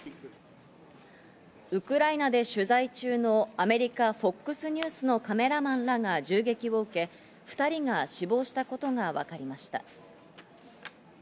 ウクライナで取材中のアメリカ・ＦＯＸニュースのカメラマンらが銃撃を受け、２人が死亡したことがわかりました。